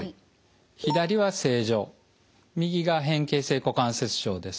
左は正常右が変形性股関節症です。